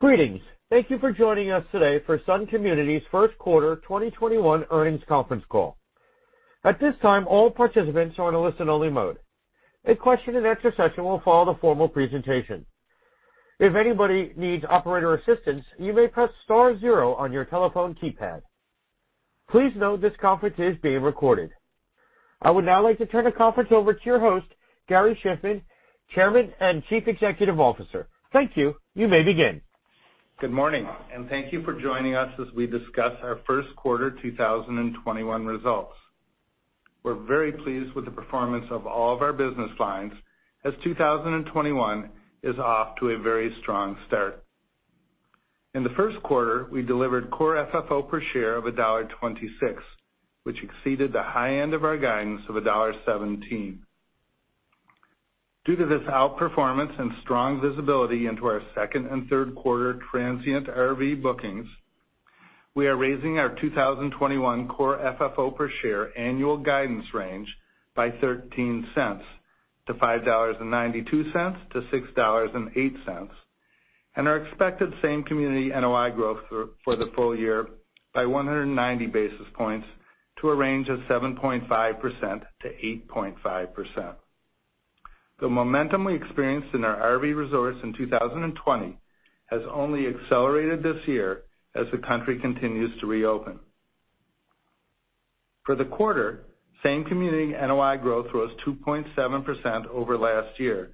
Greetings. Thank you for joining us today for Sun Communities' first quarter 2021 earnings conference call. At this time, all participants are on a listen only mode. A question and answer session will follow the formal presentation. If anybody needs operator assistance, you may press star zero on your telephone keypad. Please note this conference is being recorded. I would now like to turn the conference over to your host, Gary Shiffman, Chairman and Chief Executive Officer. Thank you. You may begin. Good morning, and thank you for joining us as we discuss our first quarter 2021 results. We're very pleased with the performance of all of our business lines, as 2021 is off to a very strong start. In the first quarter, we delivered core FFO per share of $1.26, which exceeded the high end of our guidance of $1.17. Due to this outperformance and strong visibility into our second and third quarter transient RV bookings, we are raising our 2021 core FFO per share annual guidance range by $0.13 to $5.92-$6.08, and our expected same community NOI growth for the full year by 190 basis points to a range of 7.5%-8.5%. The momentum we experienced in our RV resorts in 2020 has only accelerated this year as the country continues to reopen. For the quarter, same community NOI growth was 2.7% over last year,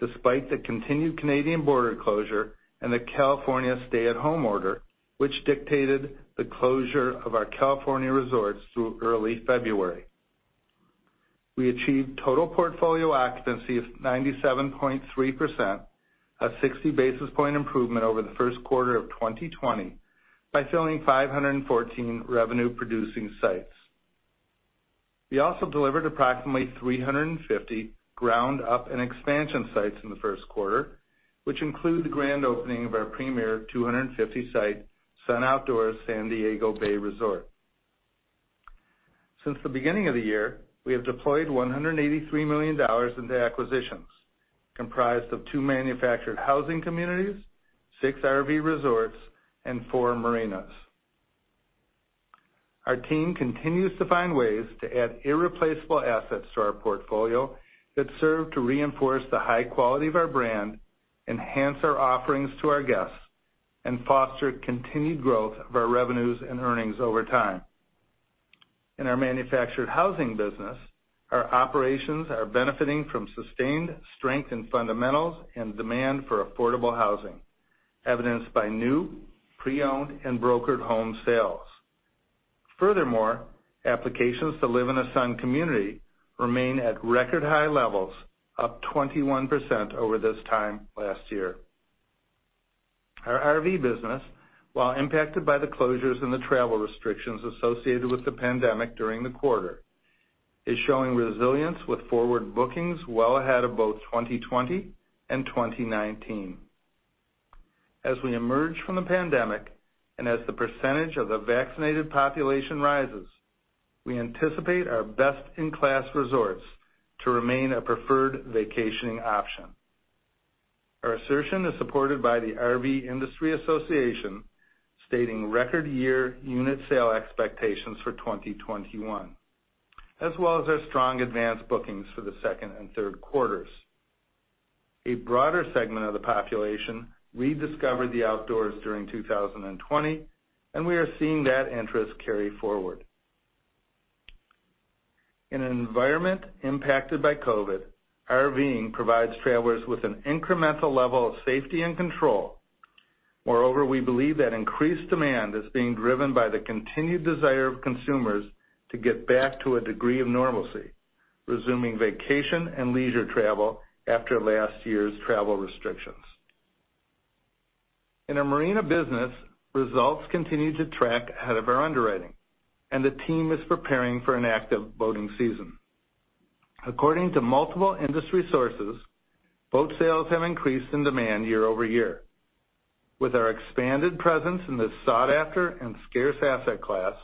despite the continued Canadian border closure and the California stay-at-home order, which dictated the closure of our California resorts through early February. We achieved total portfolio occupancy of 97.3%, a 60 basis point improvement over the first quarter of 2020 by filling 514 revenue producing sites. We also delivered approximately 350 ground-up and expansion sites in the first quarter, which include the grand opening of our premier 250-site, Sun Outdoors San Diego Bay Resort. Since the beginning of the year, we have deployed $183 million into acquisitions, comprised of two manufactured housing communities, six RV resorts, and four marinas. Our team continues to find ways to add irreplaceable assets to our portfolio that serve to reinforce the high quality of our brand, enhance our offerings to our guests, and foster continued growth of our revenues and earnings over time. In our manufactured housing business, our operations are benefiting from sustained strength in fundamentals and demand for affordable housing, evidenced by new, pre-owned, and brokered home sales. Furthermore, applications to live in a Sun community remain at record high levels, up 21% over this time last year. Our RV business, while impacted by the closures and the travel restrictions associated with the pandemic during the quarter, is showing resilience with forward bookings well ahead of both 2020 and 2019. As we emerge from the pandemic, and as the % of the vaccinated population rises, we anticipate our best-in-class resorts to remain a preferred vacationing option. Our assertion is supported by the RV Industry Association, stating record year unit sale expectations for 2021, as well as our strong advanced bookings for the second and third quarters. A broader segment of the population rediscovered the outdoors during 2020, and we are seeing that interest carry forward. In an environment impacted by COVID, RVing provides travelers with an incremental level of safety and control. Moreover, we believe that increased demand is being driven by the continued desire of consumers to get back to a degree of normalcy, resuming vacation and leisure travel after last year's travel restrictions. In our marina business, results continue to track ahead of our underwriting, and the team is preparing for an active boating season. According to multiple industry sources, boat sales have increased in demand year-over-year. With our expanded presence in this sought after and scarce asset class,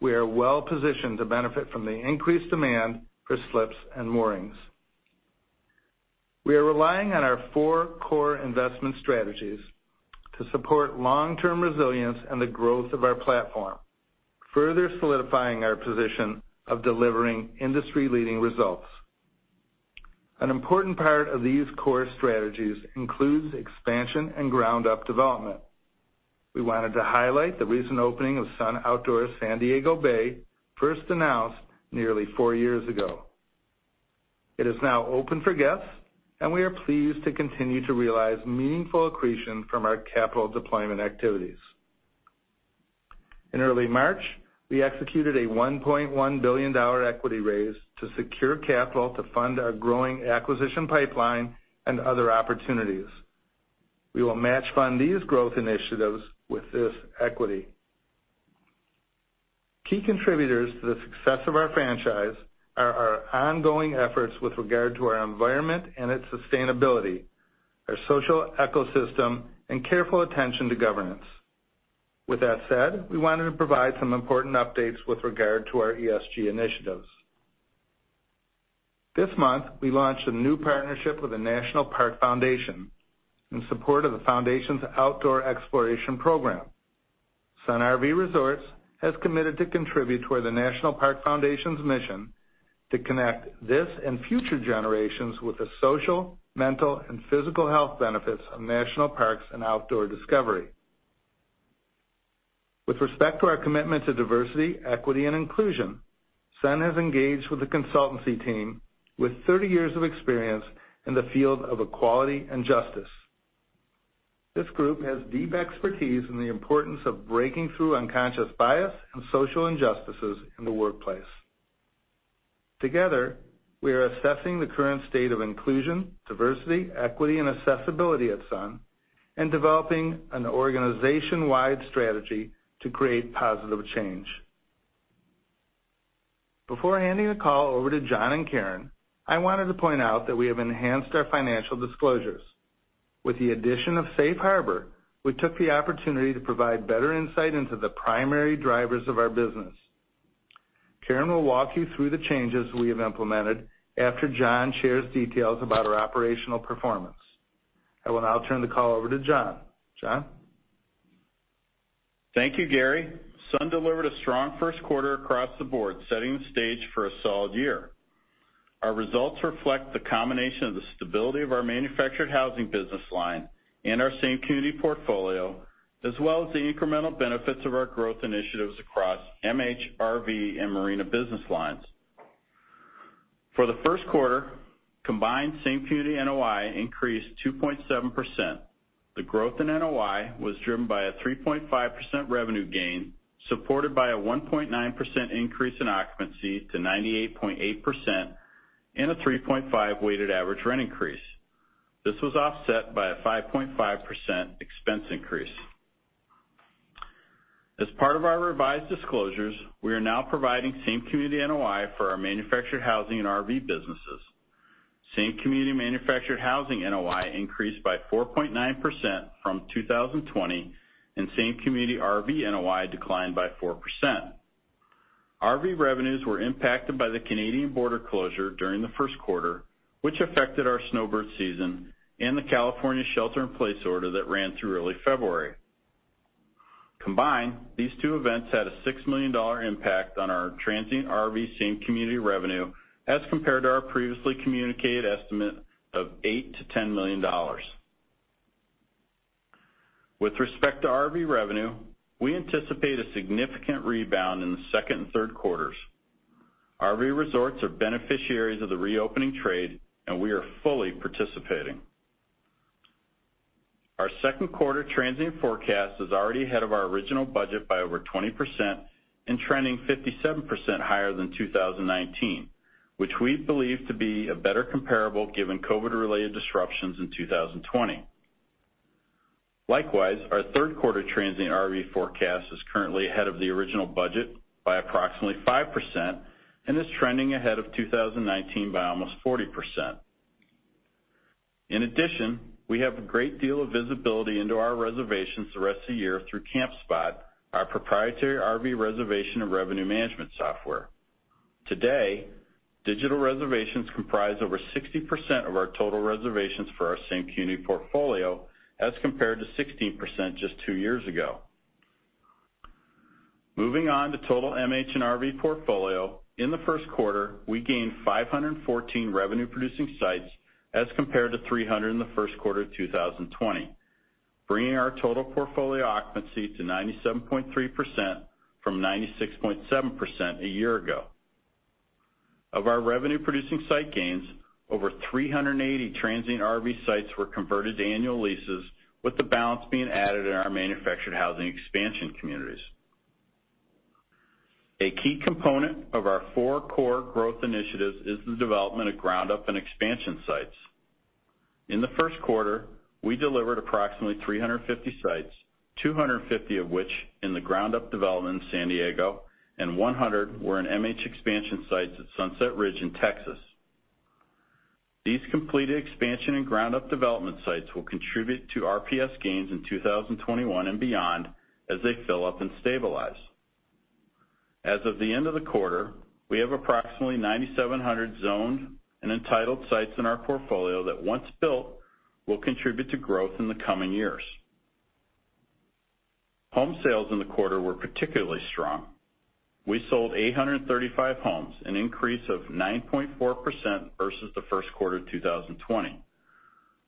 we are well positioned to benefit from the increased demand for slips and moorings. We are relying on our four core investment strategies to support long-term resilience and the growth of our platform, further solidifying our position of delivering industry-leading results. An important part of these core strategies includes expansion and ground-up development. We wanted to highlight the recent opening of Sun Outdoors San Diego Bay, first announced nearly four years ago. It is now open for guests, and we are pleased to continue to realize meaningful accretion from our capital deployment activities. In early March, we executed a $1.1 billion equity raise to secure capital to fund our growing acquisition pipeline and other opportunities. We will match fund these growth initiatives with this equity. Key contributors to the success of our franchise are our ongoing efforts with regard to our environment and its sustainability, our social ecosystem, and careful attention to governance. With that said, we wanted to provide some important updates with regard to our ESG initiatives. This month, we launched a new partnership with the National Park Foundation in support of the foundation's Outdoor Exploration Program. Sun RV Resorts has committed to contribute toward the National Park Foundation's mission to connect this and future generations with the social, mental, and physical health benefits of national parks and outdoor discovery. With respect to our commitment to diversity, equity, and inclusion, Sun has engaged with a consultancy team with 30 years of experience in the field of equality and justice. This group has deep expertise in the importance of breaking through unconscious bias and social injustices in the workplace. Together, we are assessing the current state of inclusion, diversity, equity, and accessibility at Sun, and developing an organization-wide strategy to create positive change. Before handing the call over to John and Karen, I wanted to point out that we have enhanced our financial disclosures. With the addition of Safe Harbor, we took the opportunity to provide better insight into the primary drivers of our business. Karen will walk you through the changes we have implemented after John shares details about our operational performance. I will now turn the call over to John. John? Thank you, Gary. Sun delivered a strong first quarter across the board, setting the stage for a solid year. Our results reflect the combination of the stability of our manufactured housing business line and our same community portfolio, as well as the incremental benefits of our growth initiatives across MH RV and marina business lines. For the first quarter, combined same community NOI increased 2.7%. The growth in NOI was driven by a 3.5% revenue gain, supported by a 1.9% increase in occupancy to 98.8%, and a 3.5% weighted average rent increase. This was offset by a 5.5% expense increase. As part of our revised disclosures, we are now providing same community NOI for our manufactured housing and RV businesses. Same community manufactured housing NOI increased by 4.9% from 2020, and same community RV NOI declined by 4%. RV revenues were impacted by the Canadian border closure during the first quarter, which affected our snowbird season and the California shelter-in-place order that ran through early February. Combined, these two events had a $6 million impact on our transient RV same community revenue as compared to our previously communicated estimate of $8 million-$10 million. With respect to RV revenue, we anticipate a significant rebound in the second and third quarters. RV resorts are beneficiaries of the reopening trade, and we are fully participating. Our second quarter transient forecast is already ahead of our original budget by over 20% and trending 57% higher than 2019, which we believe to be a better comparable given COVID-related disruptions in 2020. Likewise, our third quarter transient RV forecast is currently ahead of the original budget by approximately 5% and is trending ahead of 2019 by almost 40%. In addition, we have a great deal of visibility into our reservations the rest of the year through Campspot, our proprietary RV reservation and revenue management software. Today, digital reservations comprise over 60% of our total reservations for our same community portfolio, as compared to 16% just two years ago. Moving on to total MH and RV portfolio. In the first quarter, we gained 514 revenue-producing sites as compared to 300 in the first quarter of 2020, bringing our total portfolio occupancy to 97.3% from 96.7% a year ago. Of our revenue-producing site gains, over 380 transient RV sites were converted to annual leases with the balance being added in our manufactured housing expansion communities. A key component of our four core growth initiatives is the development of ground-up and expansion sites. In the first quarter, we delivered approximately 350 sites, 250 of which in the ground-up development in San Diego, and 100 were in MH expansion sites at Sunset Ridge in Texas. These completed expansion and ground-up development sites will contribute to RPS gains in 2021 and beyond as they fill up and stabilize. As of the end of the quarter, we have approximately 9,700 zoned and entitled sites in our portfolio that once built, will contribute to growth in the coming years. Home sales in the quarter were particularly strong. We sold 835 homes, an increase of 9.4% versus the first quarter of 2020.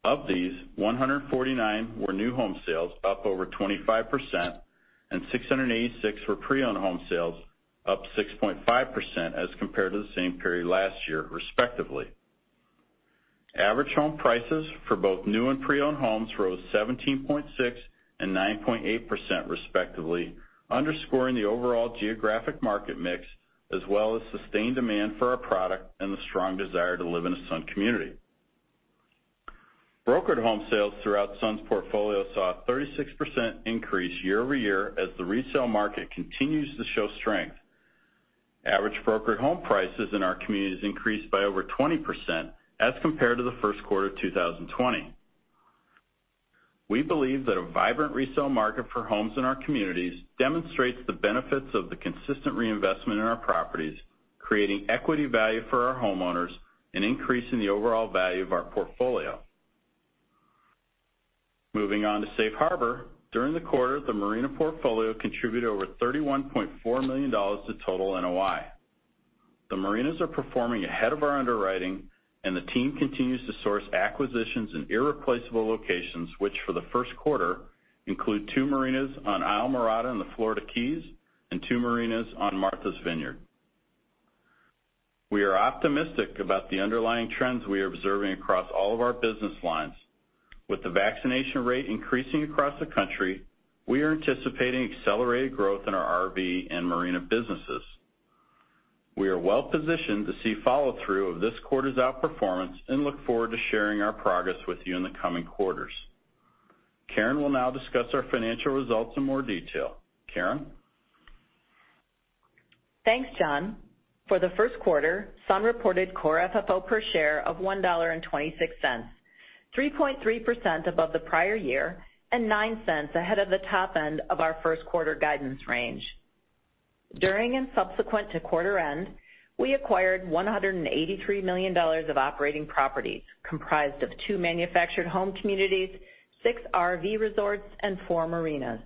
Of these, 149 were new home sales, up over 25%, and 686 were pre-owned home sales, up 6.5% as compared to the same period last year, respectively. Average home prices for both new and pre-owned homes rose 17.6% and 9.8% respectively, underscoring the overall geographic market mix, as well as sustained demand for our product and the strong desire to live in a Sun Communities. Brokered home sales throughout Sun Communities' portfolio saw a 36% increase year-over-year as the resale market continues to show strength. Average brokered home prices in our communities increased by over 20% as compared to the first quarter of 2020. We believe that a vibrant resale market for homes in our communities demonstrates the benefits of the consistent reinvestment in our properties, creating equity value for our homeowners and increasing the overall value of our portfolio. Moving on to Safe Harbor. During the quarter, the marina portfolio contributed over $31.4 million to total NOI. The marinas are performing ahead of our underwriting, and the team continues to source acquisitions in irreplaceable locations, which for the first quarter include two marinas on Islamorada in the Florida Keys and two marinas on Martha's Vineyard. We are optimistic about the underlying trends we are observing across all of our business lines. With the vaccination rate increasing across the country, we are anticipating accelerated growth in our RV and marina businesses. We are well-positioned to see follow-through of this quarter's outperformance and look forward to sharing our progress with you in the coming quarters. Karen will now discuss our financial results in more detail. Karen? Thanks, John. For the first quarter, Sun reported core FFO per share of $1.26, 3.3% above the prior year and $0.09 ahead of the top end of our first quarter guidance range. During and subsequent to quarter end, we acquired $183 million of operating properties, comprised of two manufactured home communities, six RV resorts, and four marinas.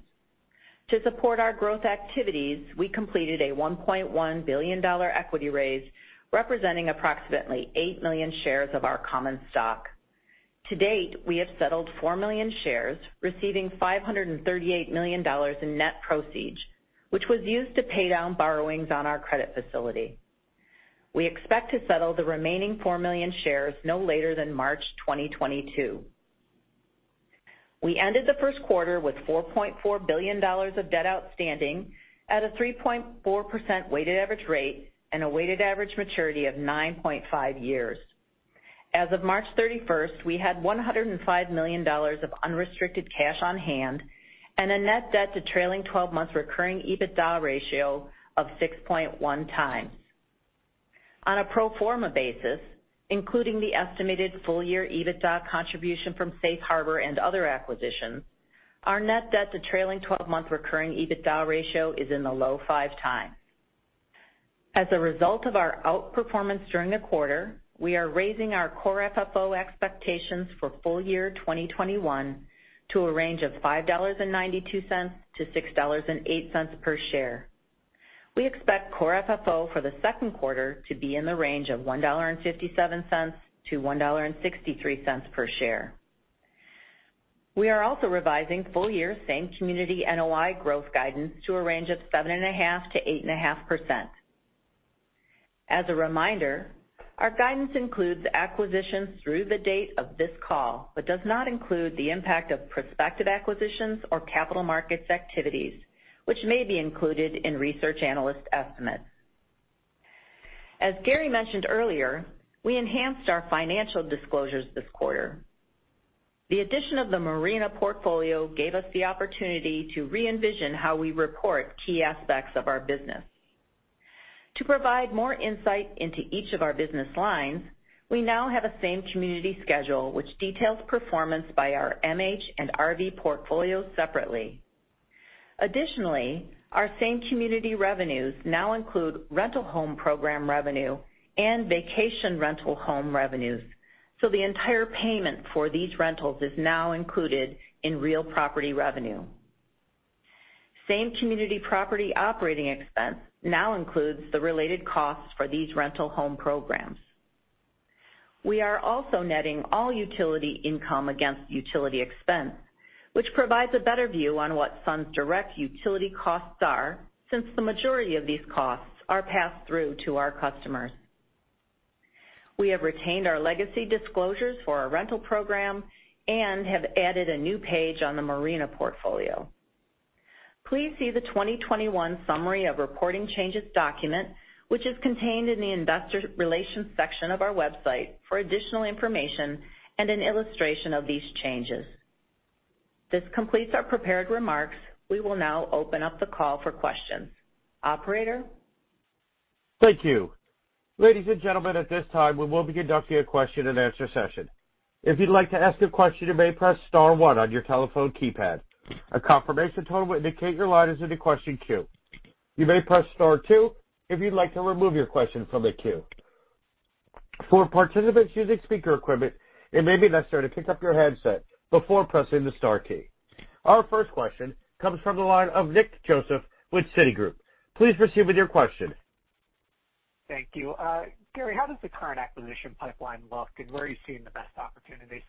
To support our growth activities, we completed a $1.1 billion equity raise, representing approximately 8 million shares of our common stock. To date, we have settled 4 million shares, receiving $538 million in net proceeds, which was used to pay down borrowings on our credit facility. We expect to settle the remaining 4 million shares no later than March 2022. We ended the first quarter with $4.4 billion of debt outstanding at a 3.4% weighted average rate and a weighted average maturity of 9.5 years. As of March 31st, we had $105 million of unrestricted cash on hand and a net debt to trailing 12-month recurring EBITDA ratio of 6.1x. On a pro forma basis, including the estimated full-year EBITDA contribution from Safe Harbor and other acquisitions, our net debt to trailing 12-month recurring EBITDA ratio is in the low 5x. As a result of our outperformance during the quarter, we are raising our core FFO expectations for full year 2021 to a range of $5.92 to $6.08 per share. We expect core FFO for the second quarter to be in the range of $1.57 to $1.63 per share. We are also revising full-year same community NOI growth guidance to a range of 7.5%-8.5%. As a reminder, our guidance includes acquisitions through the date of this call, but does not include the impact of prospective acquisitions or capital markets activities, which may be included in research analyst estimates. As Gary mentioned earlier, we enhanced our financial disclosures this quarter. The addition of the marina portfolio gave us the opportunity to re-envision how we report key aspects of our business. To provide more insight into each of our business lines, we now have a same-community schedule, which details performance by our MH and RV portfolios separately. Additionally, our same-community revenues now include rental home program revenue and vacation rental home revenues, so the entire payment for these rentals is now included in real property revenue. Same-community property operating expense now includes the related costs for these rental home programs. We are also netting all utility income against utility expense, which provides a better view on what Sun's direct utility costs are, since the majority of these costs are passed through to our customers. We have retained our legacy disclosures for our rental program and have added a new page on the marina portfolio. Please see the 2021 Summary of Reporting Changes document, which is contained in the investor relations section of our website for additional information and an illustration of these changes. This completes our prepared remarks. We will now open up the call for questions. Operator? Thank you. Ladies and gentleman, at this time, we will be conducting a question and answer session. If you'd like to ask a question, you may press star one on your telephone keypad. A confirmation tone will indicate your line is in question queue. You may press star two if you'd like to remove your question from the queue. For participants using speaker equipment, it may be easier to pick up your handset before pressing the star key. Our first question comes from the line of Nick Joseph with Citigroup. Please proceed with your question. Thank you. Gary, how does the current acquisition pipeline look, and where are you seeing the best opportunities?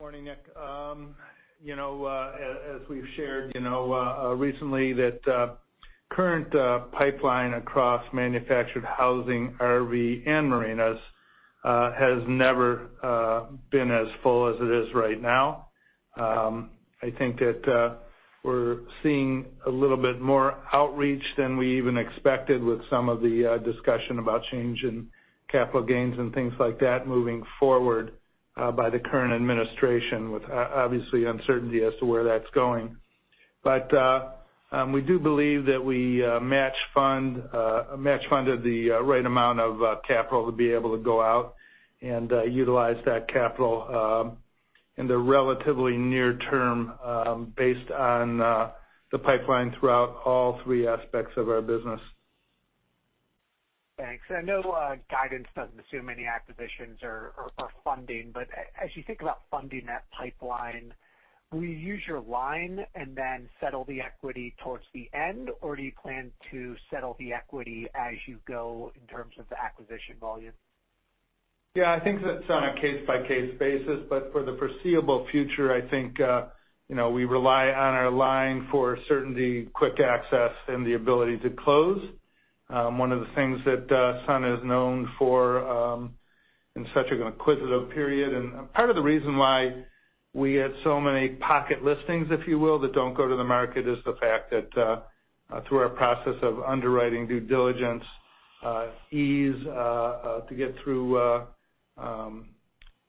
Morning, Nick. As we've shared recently, that current pipeline across manufactured housing, RV, and marinas, has never been as full as it is right now. I think that we're seeing a little bit more outreach than we even expected with some of the discussion about change in capital gains and things like that moving forward, by the current administration, with obviously uncertainty as to where that's going. We do believe that we match-funded the right amount of capital to be able to go out and utilize that capital in the relatively near term based on the pipeline throughout all three aspects of our business. Thanks. I know guidance doesn't assume any acquisitions or funding, but as you think about funding that pipeline, will you use your line and then settle the equity towards the end, or do you plan to settle the equity as you go in terms of the acquisition volume? Yeah, I think that's on a case-by-case basis. For the foreseeable future, I think we rely on our line for certainty, quick access, and the ability to close. One of the things that Sun is known for in such an acquisitive period, and part of the reason why we had so many pocket listings, if you will, that don't go to the market, is the fact that through our process of underwriting due diligence, ease to get through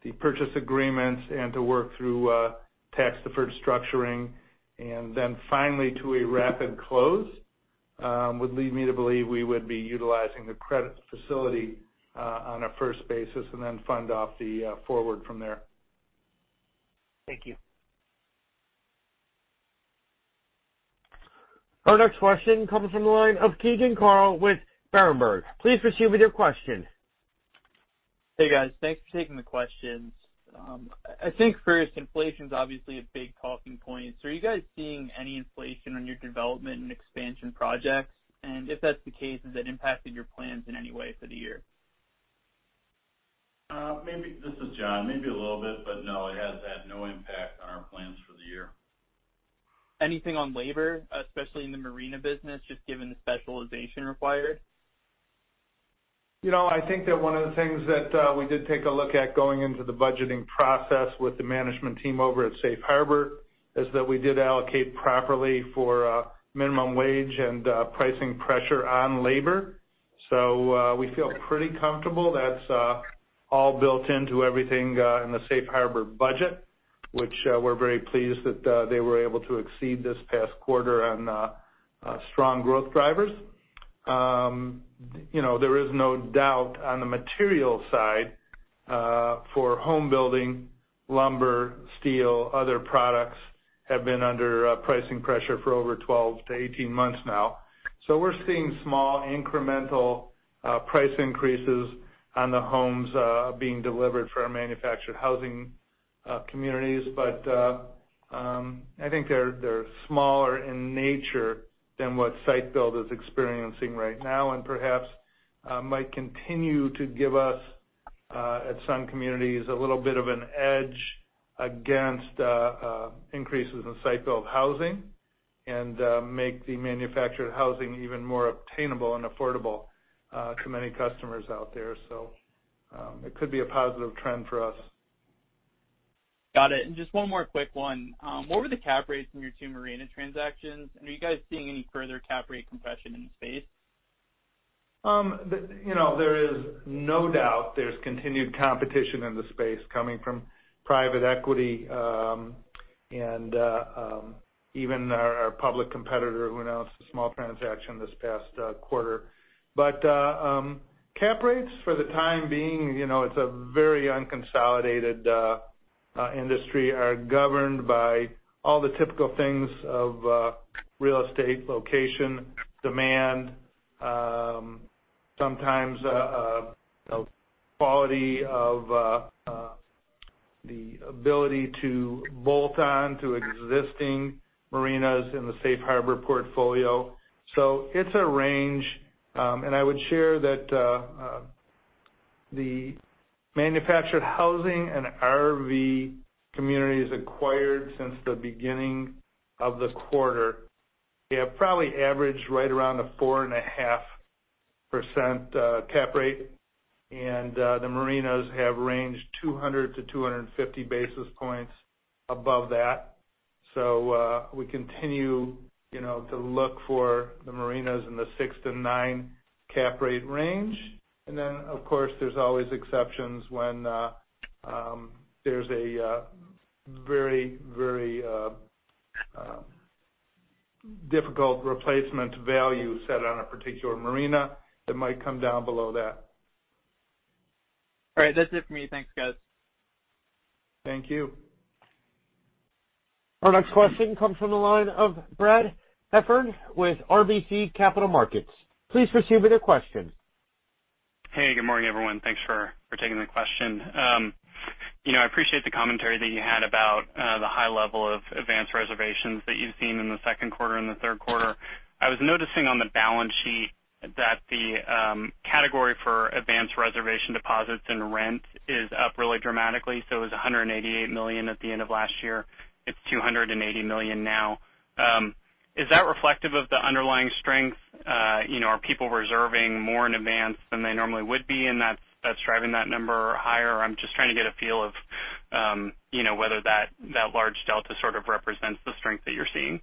the purchase agreements, and to work through tax-deferred structuring, and then finally to a rapid close, would lead me to believe we would be utilizing the credit facility on a first basis, and then fund off the forward from there. Thank you. Our next question comes from the line of Keegan Carl with Berenberg. Please proceed with your question. Hey, guys. Thanks for taking the questions. I think various inflation's obviously a big talking point. Are you guys seeing any inflation on your development and expansion projects? If that's the case, has it impacted your plans in any way for the year? This is John. Maybe a little bit, but no, it has had no impact on our plans for the year. Anything on labor, especially in the marina business, just given the specialization required? I think that one of the things that we did take a look at going into the budgeting process with the management team over at Safe Harbor, is that we did allocate properly for minimum wage and pricing pressure on labor. We feel pretty comfortable that's all built into everything in the Safe Harbor budget, which we're very pleased that they were able to exceed this past quarter on strong growth drivers. There is no doubt on the material side for home building, lumber, steel, other products have been under pricing pressure for over 12-18 months now. We're seeing small incremental price increases on the homes being delivered for our manufactured housing communities. I think they're smaller in nature than what site build is experiencing right now, and perhaps might continue to give us, at Sun Communities, a little bit of an edge against increases in site-built housing, and make the manufactured housing even more obtainable and affordable to many customers out there. It could be a positive trend for us. Got it. Just one more quick one. What were the cap rates in your two marina transactions, and are you guys seeing any further cap rate compression in the space? There is no doubt there's continued competition in the space coming from private equity, and even our public competitor who announced a small transaction this past quarter. Cap rates for the time being, it's a very unconsolidated industry, are governed by all the typical things of real estate location, demand, sometimes quality of the ability to bolt on to existing marinas in the Safe Harbor portfolio. It's a range. I would share that the manufactured housing and RV communities acquired since the beginning of the quarter, they have probably averaged right around a 4.5% cap rate, and the marinas have ranged 200-250 basis points above that. We continue to look for the marinas in the six to nine cap rate range. Of course, there's always exceptions when there's a very difficult replacement value set on a particular marina that might come down below that. All right. That's it for me. Thanks, guys. Thank you. Our next question comes from the line of Brad Heffern with RBC Capital Markets. Please proceed with your question. Hey, good morning, everyone. Thanks for taking the question. I appreciate the commentary that you had about the high level of advanced reservations that you've seen in the second quarter and the third quarter. I was noticing on the balance sheet that the category for advanced reservation deposits and rent is up really dramatically. It was $188 million at the end of last year. It's $280 million now. Is that reflective of the underlying strength? Are people reserving more in advance than they normally would be, and that's driving that number higher? I'm just trying to get a feel of whether that large delta sort of represents the strength that you're seeing.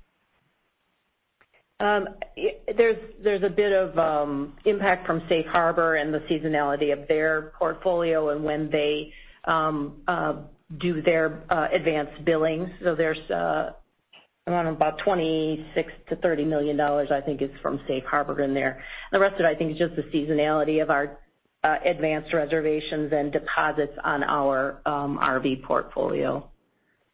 There's a bit of impact from Safe Harbor and the seasonality of their portfolio and when they do their advanced billing. There's around about $26 million-$30 million, I think, is from Safe Harbor in there. The rest of it, I think, is just the seasonality of our advanced reservations and deposits on our RV portfolio.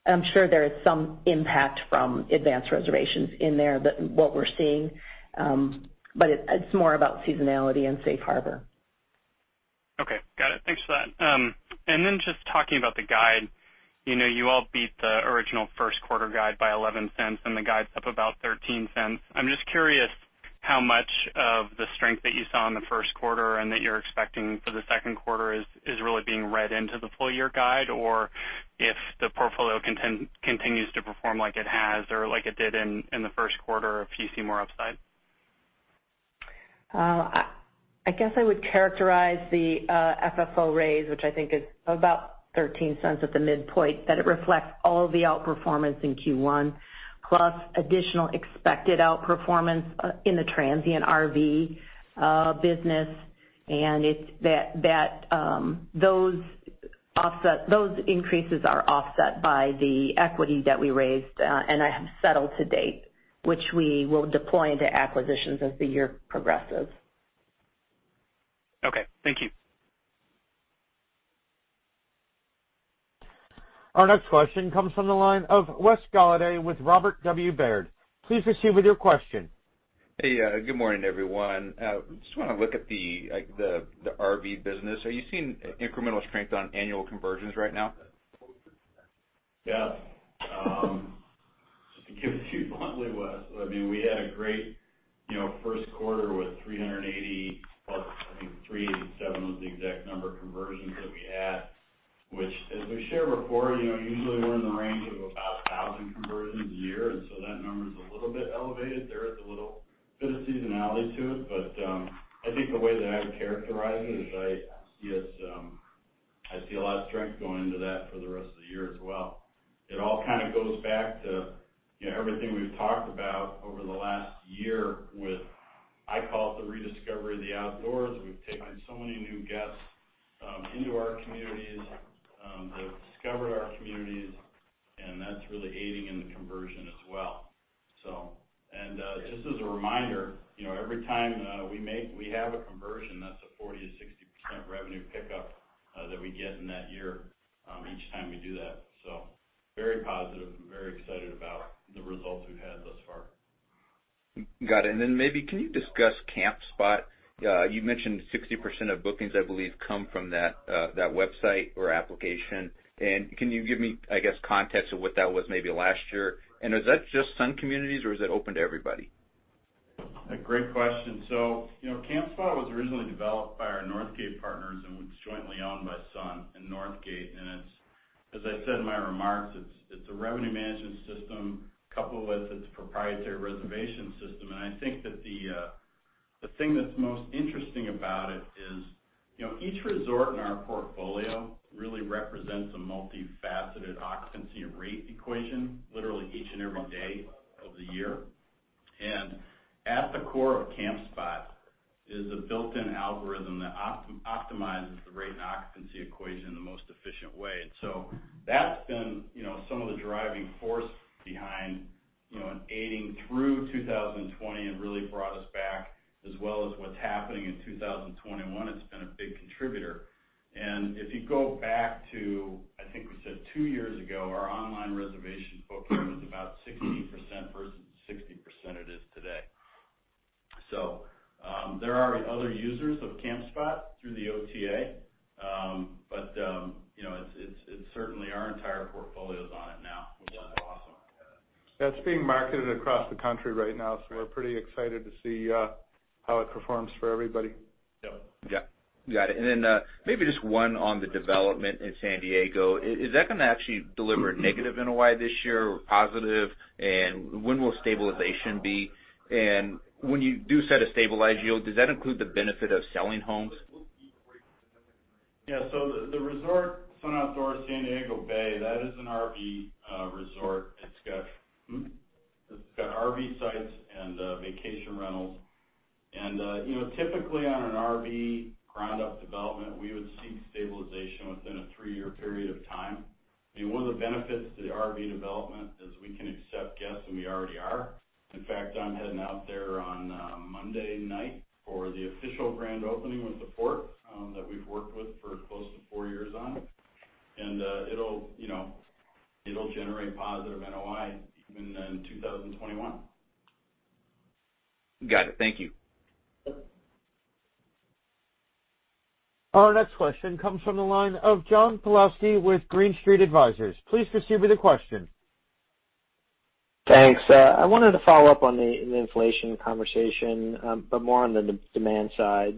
I'm sure there is some impact from advanced reservations in there that what we're seeing, but it's more about seasonality and Safe Harbor. Okay, got it. Thanks for that. Then just talking about the guide, you all beat the original first quarter guide by $0.11, and the guide's up about $0.13. I'm just curious how much of the strength that you saw in the first quarter and that you're expecting for the second quarter is really being read into the full year guide, or if the portfolio continues to perform like it has or like it did in the first quarter, if you see more upside? I guess I would characterize the FFO raise, which I think is about $0.13 at the midpoint, that it reflects all the outperformance in Q1, plus additional expected outperformance in the transient RV business, and that those increases are offset by the equity that we raised and have settled to date, which we will deploy into acquisitions as the year progresses. Okay, thank you. Our next question comes from the line of Wes Golladay with Robert W. Baird. Please proceed with your question.. Hey, good morning, everyone. Just want to look at the RV business. Are you seeing incremental strength on annual conversions right now? Yeah. To give it to you bluntly, Wes, we had a great first quarter with 380+, I think 387 was the exact number, of conversions that we had, which as we shared before, usually we're in the range of about 1,000 conversions a year, and so that number's a little bit elevated. There is a little bit of seasonality to it, but, I think the way that I would characterize it is I see a lot of strength going into that for the rest of the year as well. It all goes back to everything we've talked about over the last year with, I call it the rediscovery of the outdoors. We've taken so many new guests into our communities. They've discovered our communities, and that's really aiding in the conversion as well. Just as a reminder, every time we have a conversion, that's a 40%-60% revenue pickup that we get in that year, each time we do that. Very positive and very excited about the results we've had thus far. Got it. Maybe can you discuss Campspot? You mentioned 60% of bookings, I believe, come from that website or application. Can you give me, I guess, context of what that was maybe last year, and is that just Sun Communities, or is it open to everybody? A great question. Campspot was originally developed by our Northgate partners and was jointly owned by Sun and Northgate, and as I said in my remarks, it's a revenue management system coupled with its proprietary reservation system. I think that the thing that's most interesting about it is, each resort in our portfolio really represents a multifaceted occupancy and rate equation, literally each and every day of the year. At the core of Campspot is a built-in algorithm that optimizes the rate and occupancy equation in the most efficient way. That's been some of the driving force behind and aiding through 2020 and really brought us back, as well as what's happening in 2021, it's been a big contributor. If you go back to, I think we said two years ago, our online reservation booking was about 16% versus 60% it is today. There are other users of Campspot through the OTA, but certainly our entire portfolio's on it now, Wes. Awesome. That's being marketed across the country right now, so we're pretty excited to see how it performs for everybody. Yep. Yeah. Got it. Maybe just one on the development in San Diego. Is that going to actually deliver a negative NOI this year or positive? When will stabilization be? When you do set a stabilized yield, does that include the benefit of selling homes? The resort, Sun Outdoors San Diego Bay, that is an RV resort. It's got RV sites and vacation rentals. Typically on an RV ground-up development, we would seek stabilization within a three-year period of time. One of the benefits to the RV development is we can accept guests, and we already are. In fact, I'm heading out there on Monday night for the official grand opening with the port, that we've worked with for close to four years on. It'll generate positive NOI even in 2021. Got it. Thank you. Yep. Our next question comes from the line of John Pawlowski with Green Street Advisors. Please proceed with your question. Thanks. I wanted to follow up on the inflation conversation, but more on the demand side.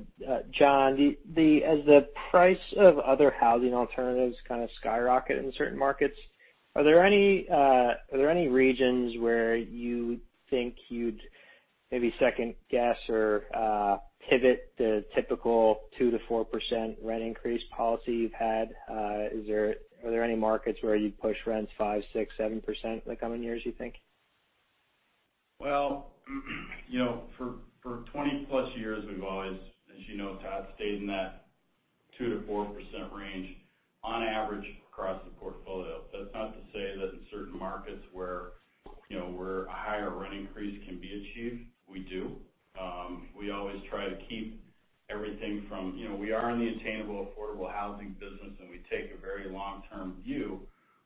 John, as the price of other housing alternatives kind of skyrocket in certain markets, are there any regions where you think you'd maybe second guess or pivot the typical 2%-4% rent increase policy you've had? Are there any markets where you'd push rents 5%, 6%, 7% in the coming years, you think? Well, for 20+ years, we've always, as you know, Todd, stayed in that 2%-4% range on average across the portfolio. That's not to say that in certain markets where a higher rent increase can be achieved, we do. We are in the attainable affordable housing business, and we take a very long-term view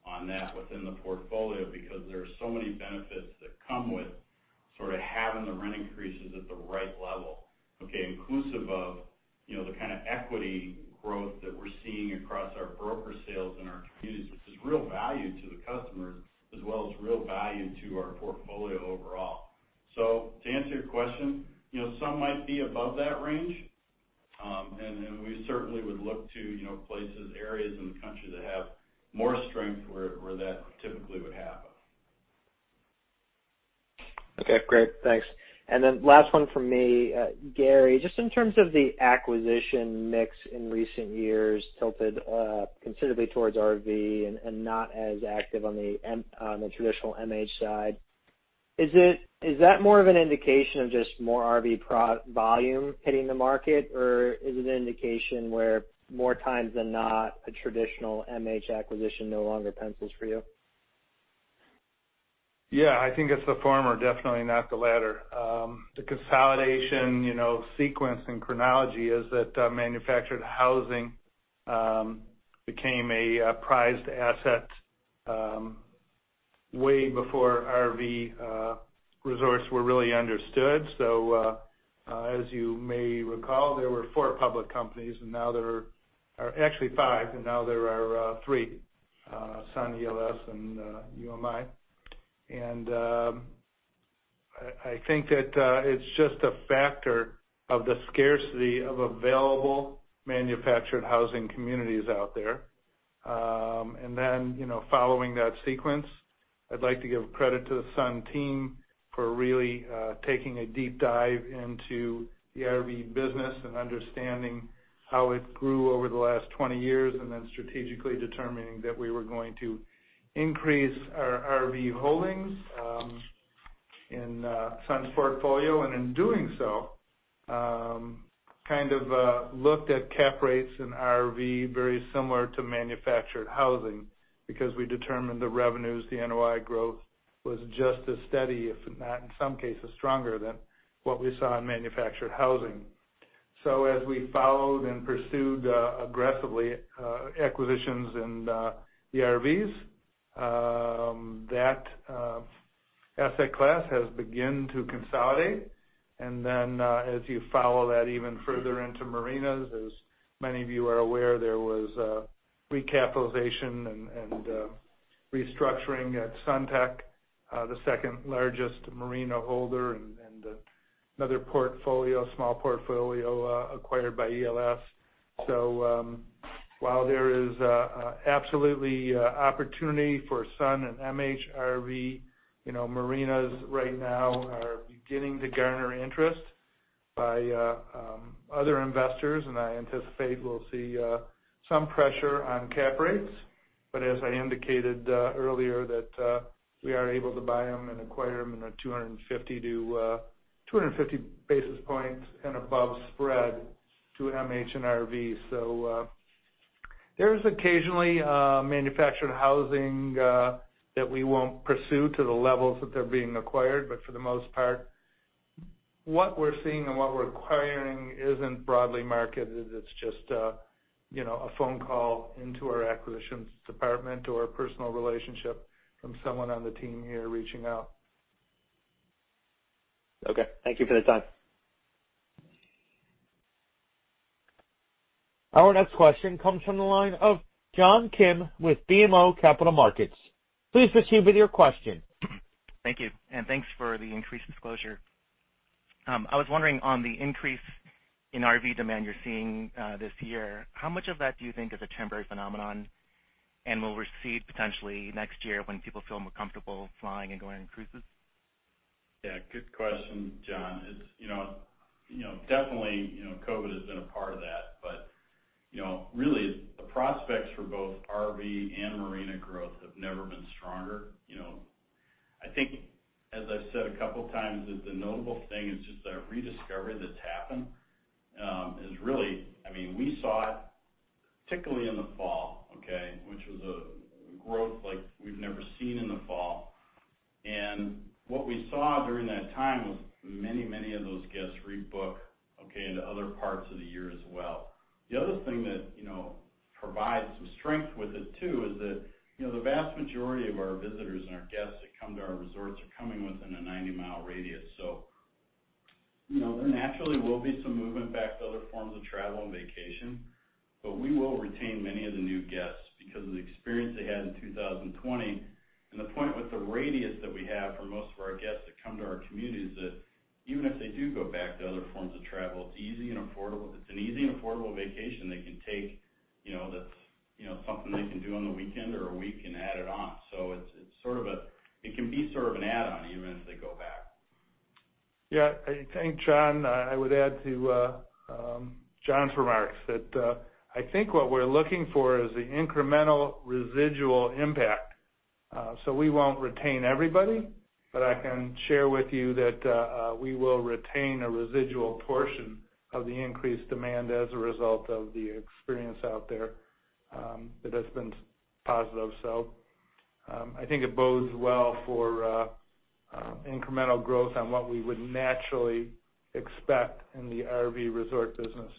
on that within the portfolio because there are so many benefits that come with sort of having the rent increases at the right level, okay, inclusive of the kind of equity growth that we're seeing across our broker sales and our communities, which is real value to the customers as well as real value to our portfolio overall. To answer your question, some might be above that range. We certainly would look to places, areas in the country that have more strength where that typically would happen. Okay, great. Thanks. Last one from me. Gary, just in terms of the acquisition mix in recent years tilted considerably towards RV and not as active on the traditional MH side. Is that more of an indication of just more RV volume hitting the market, or is it an indication where more times than not, a traditional MH acquisition no longer pencils for you? Yeah, I think it's the former, definitely not the latter. The consolidation sequence and chronology is that manufactured housing became a prized asset way before RV resorts were really understood. As you may recall, there were four public companies and now there are three, Sun, ELS, and UMH. I think that it's just a factor of the scarcity of available manufactured housing communities out there. Following that sequence, I'd like to give credit to the Sun team for really taking a deep dive into the RV business and understanding how it grew over the last 20 years, and then strategically determining that we were going to increase our RV holdings in Sun's portfolio. In doing so, kind of looked at cap rates and RV very similar to manufactured housing because we determined the revenues, the NOI growth was just as steady, if not, in some cases, stronger than what we saw in manufactured housing. As we followed and pursued aggressively acquisitions in the RVs, that asset class has begun to consolidate. As you follow that even further into marinas, as many of you are aware, there was a recapitalization and restructuring at Suntex, the second-largest marina holder and another small portfolio acquired by ELS. While there is absolutely opportunity for Sun and MHRV, marinas right now are beginning to garner interest by other investors, and I anticipate we'll see some pressure on cap rates. As I indicated earlier, that we are able to buy them and acquire them in a 250 basis points and above spread to MH and RV. There's occasionally manufactured housing that we won't pursue to the levels that they're being acquired, but for the most part, what we're seeing and what we're acquiring isn't broadly marketed. It's just a phone call into our acquisitions department or a personal relationship from someone on the team here reaching out. Okay. Thank you for the time. Our next question comes from the line of John Kim with BMO Capital Markets. Please proceed with your question. Thank you, and thanks for the increased disclosure. I was wondering on the increase in RV demand you're seeing this year, how much of that do you think is a temporary phenomenon and we'll receive potentially next year when people feel more comfortable flying and going on cruises? Yeah, good question, John. Definitely, COVID has been a part of that, but really, the prospects for both RV and marina growth have never been stronger. I think as I've said a couple of times, that the notable thing is just that rediscovery that's happened, is really We saw it particularly in the fall, okay, which was a growth like we've never seen in the fall. What we saw during that time was many of those guests rebook, okay, into other parts of the year as well. The other thing that provides some strength with it too is that the vast majority of our visitors and our guests that come to our resorts are coming within a 90-mi radius, so there naturally will be some movement back to other forms of travel and vacation, but we will retain many of the new guests because of the experience they had in 2020. The point with the radius that we have for most of our guests that come to our community is that even if they do go back to other forms of travel, it's an easy and affordable vacation they can take, that's something they can do on the weekend or a week and add it on. It can be sort of an add-on even if they go back. I think, John, I would add to John's remarks that I think what we're looking for is the incremental residual impact. We won't retain everybody, but I can share with you that we will retain a residual portion of the increased demand as a result of the experience out there that has been positive. I think it bodes well for incremental growth on what we would naturally expect in the RV resort business.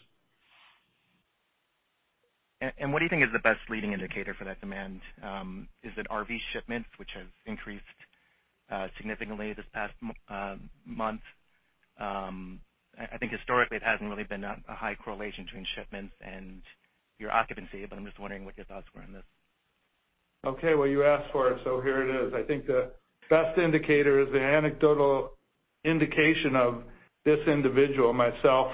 What do you think is the best leading indicator for that demand? Is it RV shipments, which have increased significantly this past month? I think historically it hasn't really been a high correlation between shipments and your occupancy, but I'm just wondering what your thoughts were on this. Okay, well, you asked for it, here it is. I think the best indicator is the anecdotal indication of this individual, myself,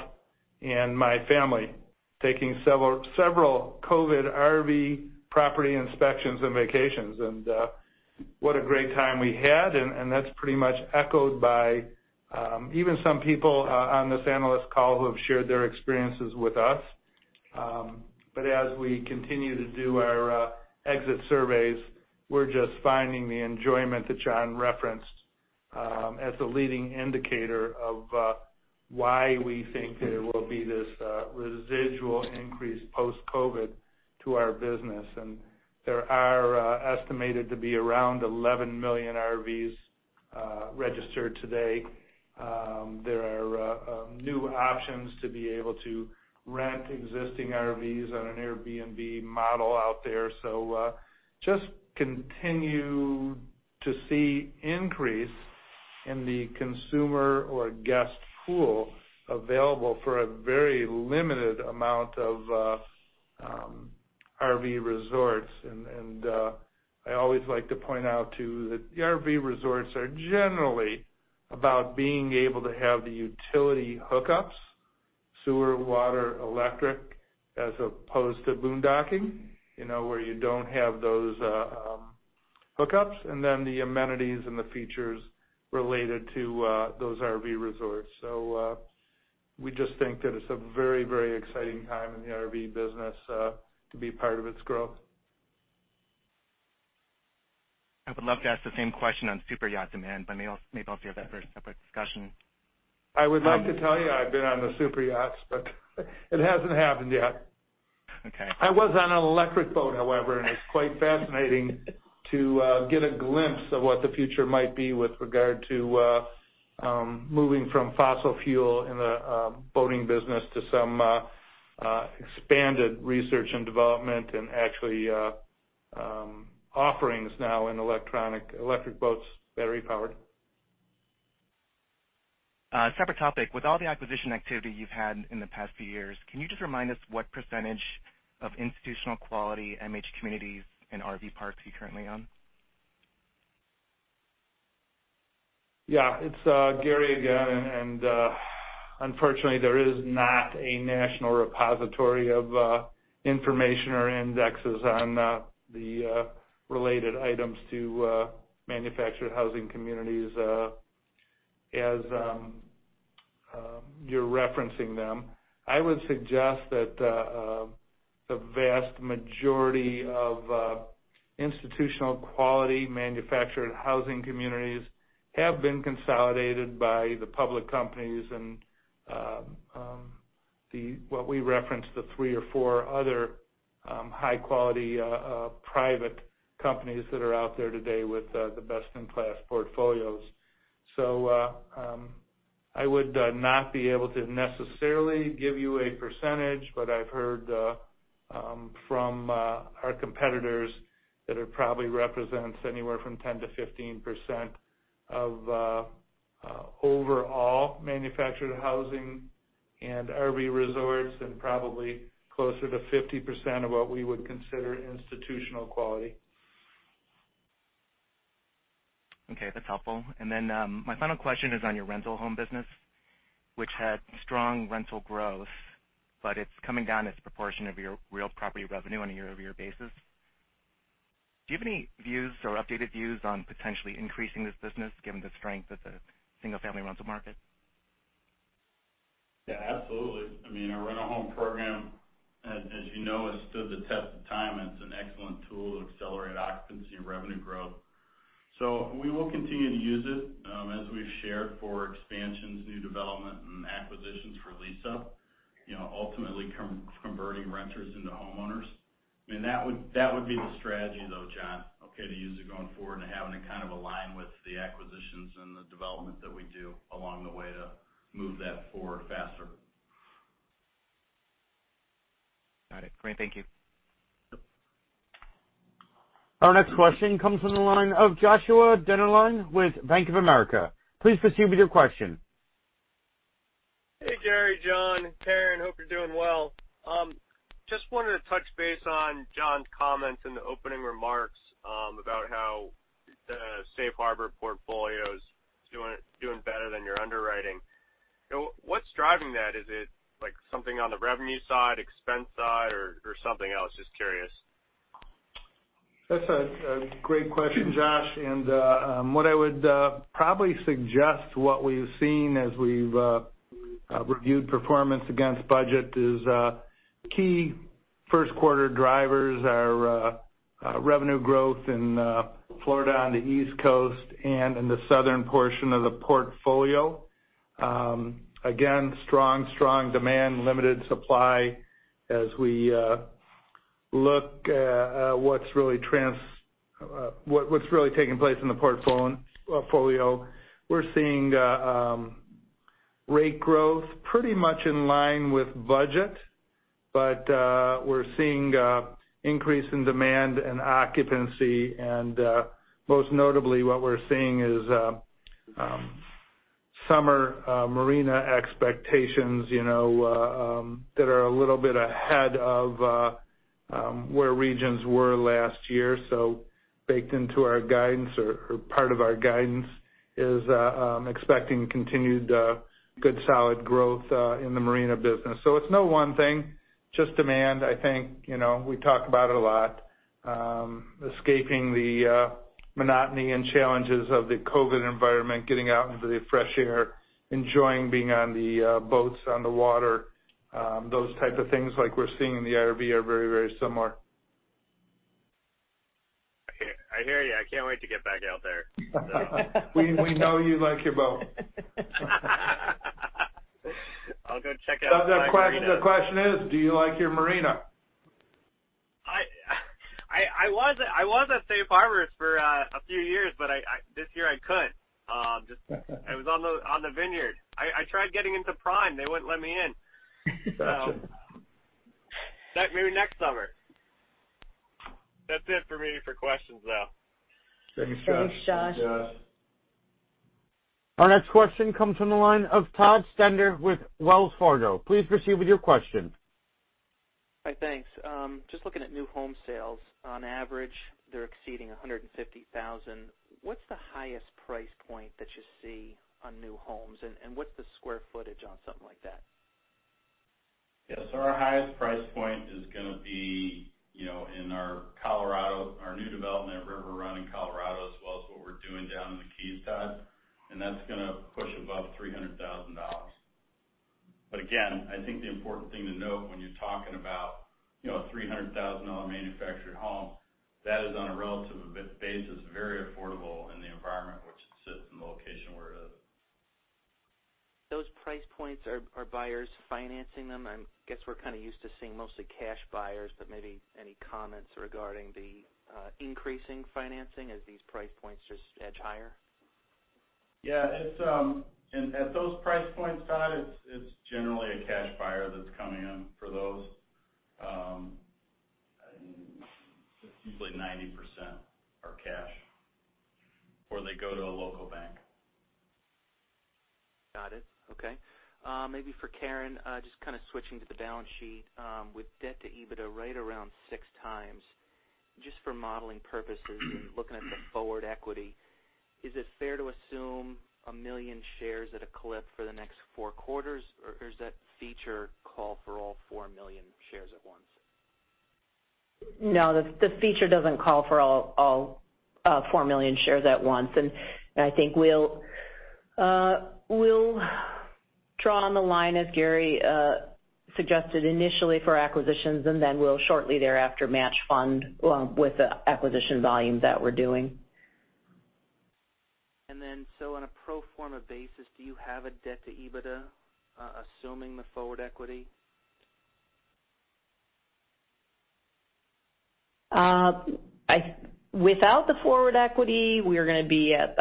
and my family, taking several COVID RV property inspections and vacations, and what a great time we had, and that's pretty much echoed by even some people on this analyst call who have shared their experiences with us. As we continue to do our exit surveys, we're just finding the enjoyment that John referenced as the leading indicator of why we think there will be this residual increase post-COVID to our business. There are estimated to be around 11 million RVs registered today. There are new options to be able to rent existing RVs on an Airbnb model out there. Just continue to see increase in the consumer or guest pool available for a very limited amount of RV resorts. I always like to point out, too, that the RV resorts are generally about being able to have utility hookups, sewer, water, electric, as opposed to boondocking, where you don't have those hookups, and then the amenities and the features related to those RV resorts. We just think that it's a very exciting time in the RV business to be part of its growth. I would love to ask the same question on super yacht demand, but maybe I'll save that for a separate discussion. I would love to tell you I've been on the super yachts, but it hasn't happened yet. Okay. I was on an electric boat, however, and it's quite fascinating to get a glimpse of what the future might be with regard to moving from fossil fuel in the boating business to some expanded research and development, and actually offerings now in electronic electric boats, battery-powered. Separate topic. With all the acquisition activity you've had in the past few years, can you just remind us what percentag of institutional-quality MH communities and RV parks you're currently on? Yeah. Unfortunately, there is not a national repository of information or indexes on the related items to manufactured housing communities, as you're referencing them. I would suggest that the vast majority of institutional-quality manufactured housing communities have been consolidated by the public companies and what we reference, the three or four other high-quality private companies that are out there today with the best-in-class portfolios. I would not be able to necessarily give you a %, but I've heard from our competitors that it probably represents anywhere from 10%-15% of overall manufactured housing and RV resorts, and probably closer to 50% of what we would consider institutional quality. Okay. That's helpful. My final question is on your rental home business, which had strong rental growth, but it's coming down as a proportion of your real property revenue on a year-over-year basis. Do you have any views or updated views on potentially increasing this business, given the strength of the single-family rental market? Yeah, absolutely. Our rental home program, as you know, has stood the test of time, and it's an excellent tool to accelerate occupancy and revenue growth. We will continue to use it, as we've shared, for expansions, new development, and acquisitions for lease-up. Ultimately converting renters into homeowners. That would be the strategy, though, John, okay, to use it going forward and having it kind of align with the acquisitions and the development that we do along the way to move that forward faster. Got it. Great. Thank you. Yep. Our next question comes from the line of Joshua Dennerlein with Bank of America. Please proceed with your question. Hey, Gary, John, Karen. Hope you're doing well. Just wanted to touch base on John's comments in the opening remarks about how the Safe Harbor portfolio's doing better than your underwriting. What's driving that? Is it something on the revenue side, expense side, or something else? Just curious. That's a great question, Josh. What I would probably suggest, what we've seen as we've reviewed performance against budget is key first quarter drivers are revenue growth in Florida, on the East Coast, and in the southern portion of the portfolio. Again, strong demand, limited supply. As we look at what's really taking place in the portfolio, we're seeing rate growth pretty much in line with budget, but we're seeing increase in demand and occupancy, and most notably, what we're seeing is summer marina expectations that are a little bit ahead of where regions were last year. Baked into our guidance, or part of our guidance, is expecting continued good, solid growth in the marina business. It's no one thing, just demand, I think. We talk about it a lot. Escaping the monotony and challenges of the COVID environment, getting out into the fresh air, enjoying being on the boats on the water. Those type of things, like we're seeing in the RV, are very similar. I hear you. I can't wait to get back out there. We know you like your boat. I'll go check out my marina. The question is, do you like your marina? I was at Safe Harbor for a few years, but this year I couldn't. I was on the Vineyard. I tried getting into Prime. They wouldn't let me in. Got you. Maybe next summer. That's it for me for questions, though. Thanks, Josh. Thanks, Josh. Our next question comes from the line of Todd Stender with Wells Fargo. Please proceed with your question. Hi, thanks. Just looking at new home sales. On average, they're exceeding 150,000. What's the highest price point that you see on new homes, and what's the sq footage on something like that? Yes. Our highest price point is going to be in our new development, River Run in Colorado, as well as what we're doing down in the Keys, Todd. That's going to push above $300,000. Again, I think the important thing to note when you're talking about a $300,000 manufactured home, that is, on a relative basis, very affordable in the environment in which it sits and the location where it is. Those price points, are buyers financing them? I guess we're kind of used to seeing mostly cash buyers, but maybe any comments regarding the increasing financing as these price points just edge higher? Yeah. At those price points, Todd, it's generally a cash buyer that's coming in for those. It's usually 90% are cash, or they go to a local bank. Got it. Okay. Maybe for Karen, just kind of switching to the balance sheet. With debt to EBITDA right around 6x, just for modeling purposes and looking at the forward equity, is it fair to assume 1 million shares at a clip for the next four quarters, or does that feature call for all 4 million shares at once? No, the feature doesn't call for all 4 million shares at once. I think we'll draw on the line, as Gary suggested initially, for acquisitions, and then we'll shortly thereafter match fund with the acquisition volume that we're doing. On a pro forma basis, do you have a debt to EBITDA, assuming the forward equity? Without the forward equity, we are going to be at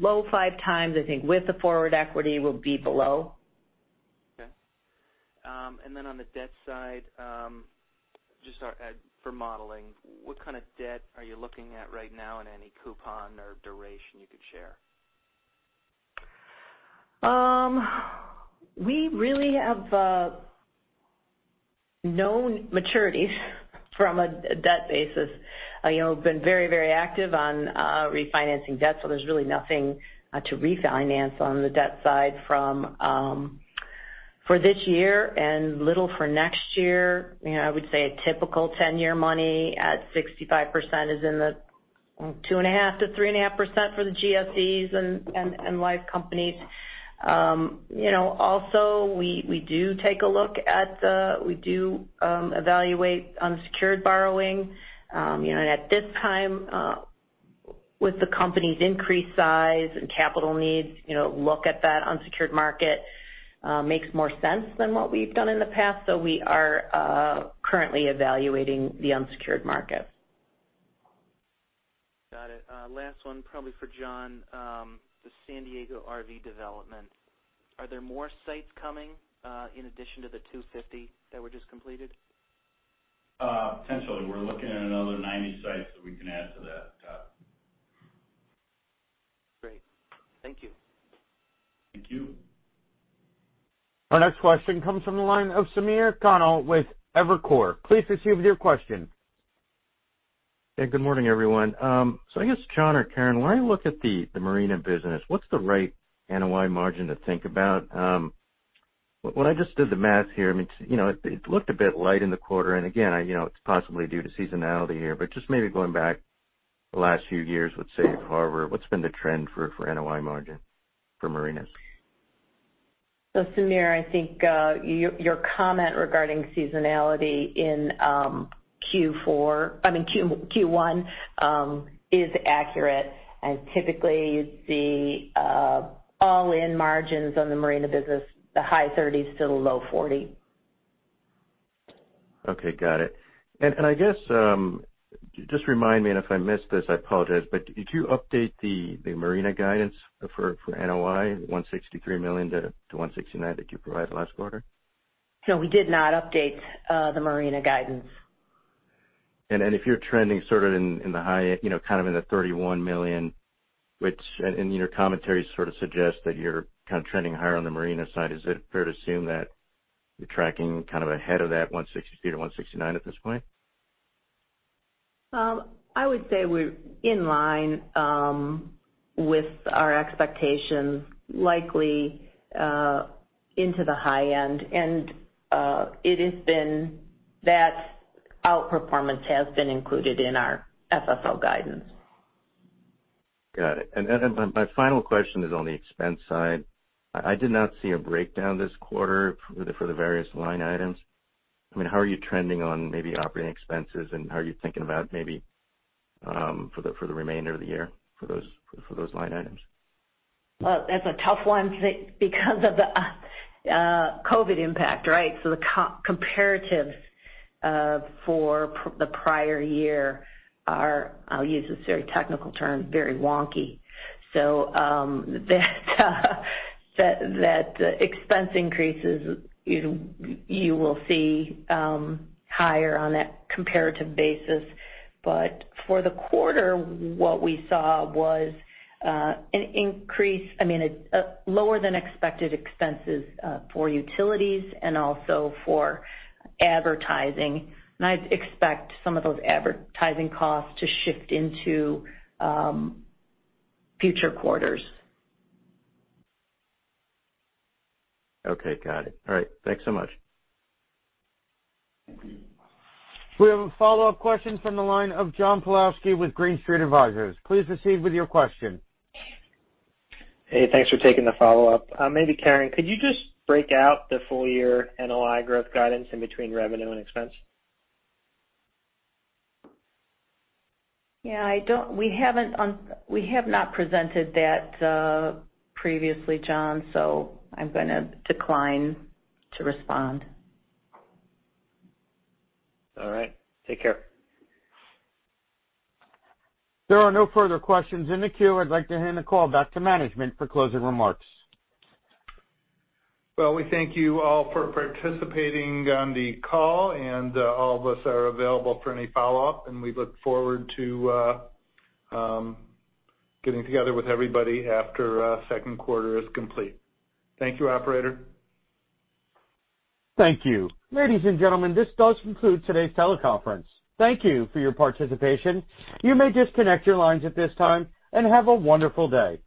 low 5x. I think with the forward equity, we'll be below. Okay. On the debt side, just for modeling, what kind of debt are you looking at right now, and any coupon or duration you could share? We really have no maturities from a debt basis. Been very active on refinancing debt, so there's really nothing to refinance on the debt side for this year and little for next year. I would say a typical 10-year money at 65% is in the 2.5%-3.5% for the GSEs and life companies. Also, we do evaluate unsecured borrowing. At this time, with the company's increased size and capital needs, look at that unsecured market makes more sense than what we've done in the past. We are currently evaluating the unsecured market. Got it. Last one, probably for John. The San Diego RV development. Are there more sites coming in addition to the 250 that were just completed? Potentially. We're looking at another 90 sites that we can add to that, Todd. Great. Thank you. Thank you. Our next question comes from the line of Samir Khanal with Evercore. Please proceed with your question. Hey, good morning, everyone. I guess, John or Karen, when I look at the marina business, what's the right NOI margin to think about? When I just did the math here, it looked a bit light in the quarter. Again, it's possibly due to seasonality here, but just maybe going back the last few years with Safe Harbor, what's been the trend for NOI margin for marinas? Samir, I think your comment regarding seasonality in Q1 is accurate, and typically you'd see all-in margins on the marina business, the high 30s to the low 40. Okay. Got it. I guess, just remind me, and if I missed this, I apologize, but did you update the marina guidance for NOI, $163 million-$169 million that you provided last quarter? No, we did not update the marina guidance. If you're trending sort of in the high, kind of in the $31 million, which, and your commentary sort of suggests that you're kind of trending higher on the marina side, is it fair to assume that you're tracking kind of ahead of that $163-$169 at this point? I would say we're in line with our expectations, likely into the high end. That outperformance has been included in our FFO guidance. Got it. My final question is on the expense side. I did not see a breakdown this quarter for the various line items. How are you trending on maybe operating expenses, and how are you thinking about maybe for the remainder of the year for those line items? Well, that's a tough one because of the COVID impact, right? The comparatives for the prior year are, I'll use this very technical term, very wonky. That expense increases, you will see higher on that comparative basis. For the quarter, what we saw was lower than expected expenses for utilities and also for advertising. I'd expect some of those advertising costs to shift into future quarters. Okay. Got it. All right. Thanks so much. We have a follow-up question from the line of John Pawlowski with Green Street Advisors. Please proceed with your question. Hey, thanks for taking the follow-up. Maybe Karen, could you just break out the full year NOI growth guidance in between revenue and expense? Yeah, we have not presented that previously, John, so I'm going to decline to respond. All right. Take care. There are no further questions in the queue. I'd like to hand the call back to management for closing remarks. Well, we thank you all for participating on the call, and all of us are available for any follow-up, and we look forward to getting together with everybody after second quarter is complete. Thank you, operator. Thank you. Ladies and gentlemen, this does conclude today's teleconference. Thank you for your participation. You may disconnect your lines at this time, and have a wonderful day.